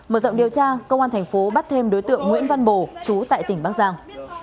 mở rộng điều tra công an tp bắt thêm đối tượng nguyễn văn bồ chú tại tỉnh bắc giang